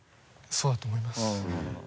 そうだと思います。